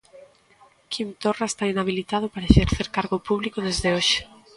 Quim Torra está inhabilitado para exercer cargo público desde hoxe.